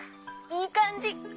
いいかんじ！